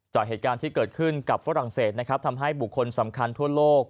จากเหตุการณ์ที่เกิดขึ้นกับฝรั่งเศสนะครับทำให้บุคคลสำคัญทั่วโลก